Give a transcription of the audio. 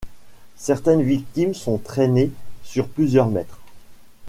Certaines victimes sont traînées sur plusieurs mètres.